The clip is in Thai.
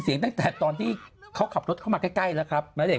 เสียงตั้งแต่ตอนที่เขาขับรถเข้ามาใกล้นะครับมันได้